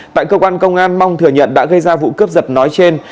tại cơ quan công an mong thừa nhận đã gây ra vụ cướp giật nói trên